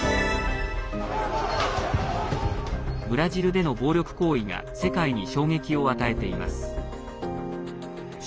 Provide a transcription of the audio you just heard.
ブラジルでの暴力行為が世界に衝撃を与えています。